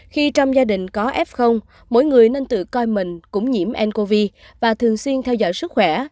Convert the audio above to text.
khi trong gia đình có f mỗi người nên tự coi mình cũng nhiễm ncov và thường xuyên theo dõi sức khỏe